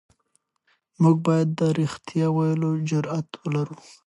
موږ بايد د رښتيا ويلو جرئت ولرو.